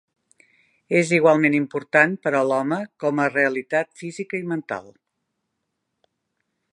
És igualment important per a l'home com a realitat física i mental.